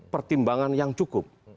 pertimbangan yang cukup